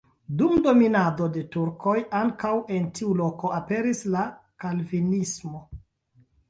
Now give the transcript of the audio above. Dum dominado de turkoj ankaŭ en tiu loko aperis la kalvinismo.